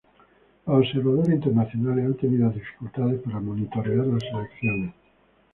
Los observadores internacionales han tenido dificultades para monitorear las elecciones.